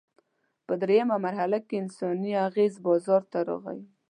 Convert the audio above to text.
په درېیمه مرحله کې انساني اغېز بازار ته راغی.